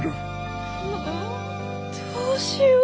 どうしよう。